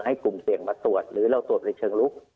กลุ่มเสี่ยงมาตรวจหรือเราตรวจในเชิงลุก